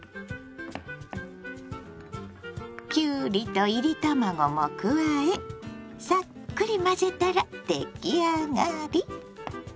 きゅうりといり卵も加えさっくり混ぜたら出来上がり。